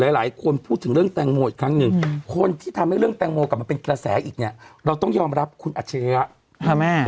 หลายคนพูดถึงเรื่องแตงโมอีกครั้งหนึ่งคนที่ทำให้เรื่องแตงโมกลับมาเป็นกระแสอีกเนี่ยเราต้องยอมรับคุณอัจฉริยะแม่